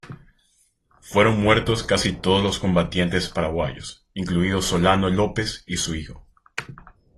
Fueron muertos casi todos los combatientes paraguayos, incluido Solano López y su hijo.